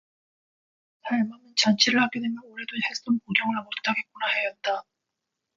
할멈은 잔치를 하게 되면 올해도 햇솜 구경을 못 하겠구나 하였다.